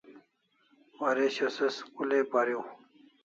Waresho se school ai pariu